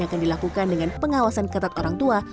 akan dilakukan dengan pengawasan ketat orang tua